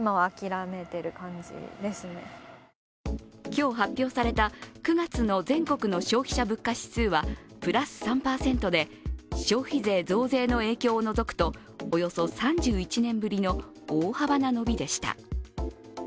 今日発表された９月の全国の消費者物価指数はプラス３％で消費税増税の影響を除くとおよそ３１年ぶりの大幅な伸びでした。